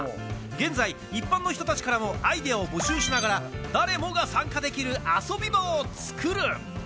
現在、一般の人たちからもアイデアを募集しながら、誰もが参加できる遊び場を作る。